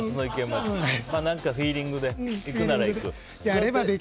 何かフィーリングで行くなら行く？